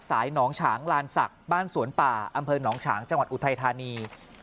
หนองฉางลานศักดิ์บ้านสวนป่าอำเภอหนองฉางจังหวัดอุทัยธานี